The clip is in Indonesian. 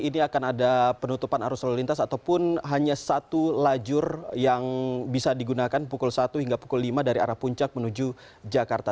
ini akan ada penutupan arus lalu lintas ataupun hanya satu lajur yang bisa digunakan pukul satu hingga pukul lima dari arah puncak menuju jakarta